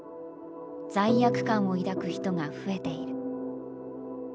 罪悪感を抱く人が増えている。